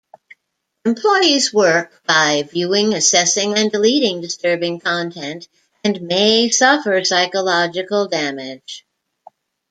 Employees work by viewing, assessing and deleting disturbing content, and may suffer psychological damage.